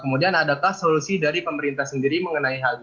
kemudian adakah solusi dari pemerintah sendiri mengenai hal ini